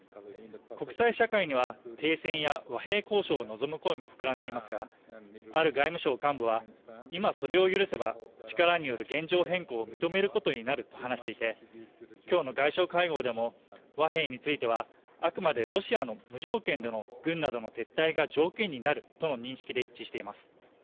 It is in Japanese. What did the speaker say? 国際社会には、停戦や和平交渉を望む声も膨らんでいますが、ある外務省幹部は今それを許せば力による現状変更を認めることになると話していて、今日の外相会合でも和平については、あくまでロシアの無条件の軍などの撤退が条件になるとの認識で一致しています。